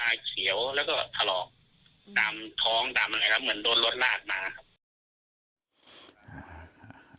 ตามท้องตามอะไรครับเหมือนโดนรถลาดมาครับ